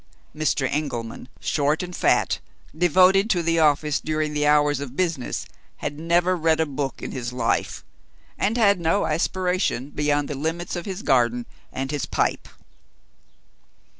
Mr. Engelman, short and fat, devoted to the office during the hours of business, had never read a book in his life, and had no aspiration beyond the limits of his garden and his pipe.